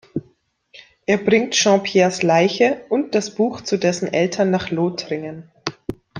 Er bringt Jean-Pierres Leiche und das Buch zu dessen Eltern nach Lothringen.